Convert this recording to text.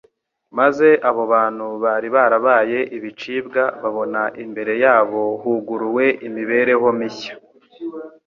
maze abo bantu bari barabaye ibicibwa babona imbere yabo huguruwe imibereho mishya.